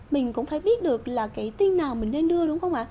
mình cũng phải biết được là cái tin nào mình nên đưa đúng không ạ